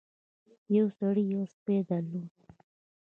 یو سړي یو سپی درلود.